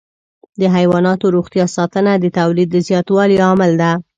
د حيواناتو روغتیا ساتنه د تولید د زیاتوالي عامل ده.